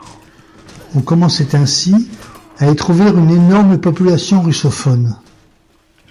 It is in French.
On commençait ainsi à y trouver une énorme population russophone.